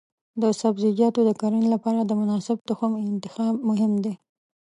د سبزیجاتو د کرنې لپاره د مناسب تخم انتخاب مهم دی.